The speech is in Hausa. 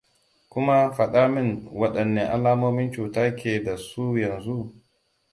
kuma faɗa min waɗanne alamomin cuta ka ke da su yanzu?